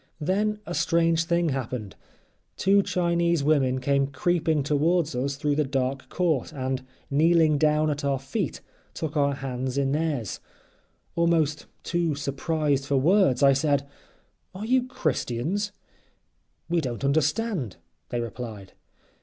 Then a strange thing happened. Two Chinese women came creeping towards us through the dark court, and kneeling down at our feet took our hands in theirs. Almost too surprised for words I said: "Are you Christians?" "We don't understand," they replied.